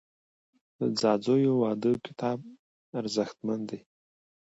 د ځاځیو واده کتاب ارزښتمن دی.